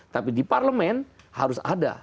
tapi di parlemen harus ada